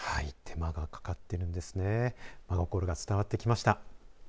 真心が伝わってきました。